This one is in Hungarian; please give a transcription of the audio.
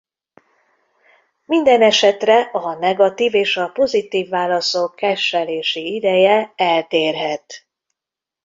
Mindenesetre a negatív és a pozitív válaszok cache-elési ideje eltérhet.